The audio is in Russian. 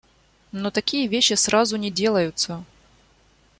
Но такие вещи сразу не делаются.